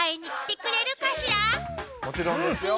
もちろんですよ！